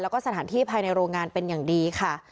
แล้วก็สถานที่ภายในโรงงานเป็นอย่างดีค่ะ